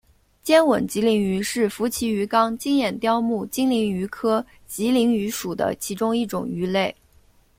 尖吻棘鳞鱼是辐鳍鱼纲金眼鲷目金鳞鱼科棘鳞鱼属的其中一种鱼类。